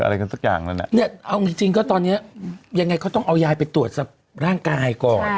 อะไรกันสักอย่างนั้นเนี่ยเอาจริงจริงก็ตอนเนี้ยยังไงก็ต้องเอายายไปตรวจร่างกายก่อน